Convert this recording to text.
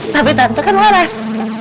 tapi tante kan waras